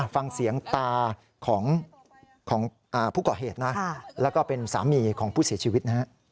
ฟังเสียงตาของผู้ก่อเหตุนะแล้วก็เป็นสามีของผู้เสียชีวิตนะฮะ